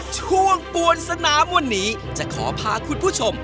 ช่วงปวนสนามวันนี้จะขอพาคุณผู้ชม